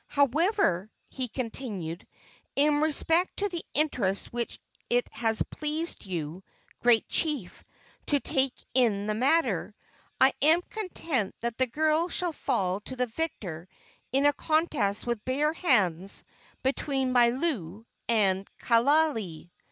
"However," he continued, "in respect to the interest which it has pleased you, great chief, to take in the matter, I am content that the girl shall fall to the victor in a contest with bare hands between Mailou and Kaaialii."